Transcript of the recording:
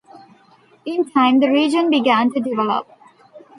In time, the region began to develop.